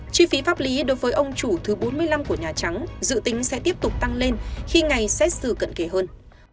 chi phí pháp lý đối với ông chủ thứ bốn mươi năm của nhà trắng dự tính sẽ tiếp tục tăng lên khi ngày xét xử cận kề hơn